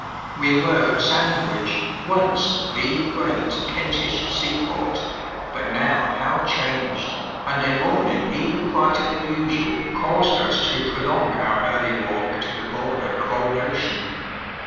We were at Sandwich, once the great Kentish sea port, now how changed, and a morning even brighter than usual caused us to prolong our early walk to the border of old Ocean.